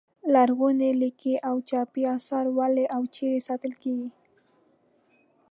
لرغوني لیکلي او چاپي اثار ولې او چیرې ساتل کیږي.